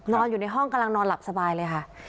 นอนอยู่ในห้องกำลังนอนหลับสบายเลยค่ะ